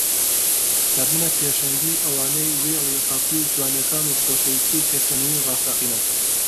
دەبنە پێشەنگی ئەوانەی وێڵی ڕاستی و جوانییەکان و خۆشەویستی و پێکەنینی ڕاستەقینەن